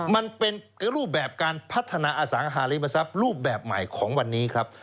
มันเป็นรูปแบบการพัฒนาอสังหาริมทรัพย์รูปแบบใหม่ของวันนี้ครับ